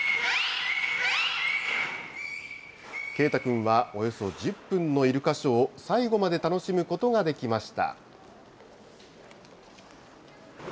啓太くんはおよそ１０分のイルカショーを、最後まで楽しむことができました。